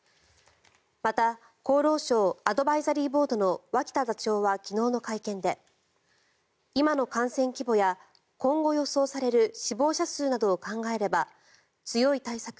また厚労省アドバイザリーボードの脇田座長は昨日の会見で今の感染規模や今後予想される死亡者数などを考えれば強い対策